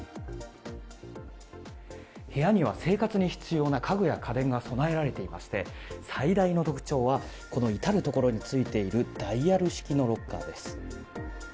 部屋には生活に必要な家具や家電が備えられていまして最大の特徴はこの至るところについているダイヤル式のロッカーです。